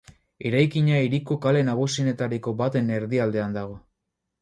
Eraikina hiriko kale nagusienetariko baten erdialdean dago.